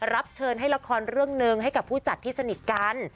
รับเชิญให้ละครเรื่องหนึ่งให้กับผู้จัดที่สนิทกัน